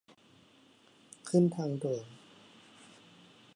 ขึ้นทางด่วน